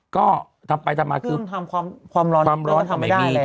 ก็ทำไปทำมาคือความร้อนก็ทำไม่มี